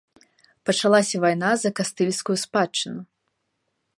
Пачалася вайна за кастыльскую спадчыну.